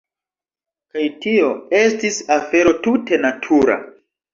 Kaj tio estis afero tute natura.